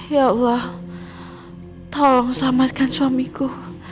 ya allah tolong selamatkan suamiku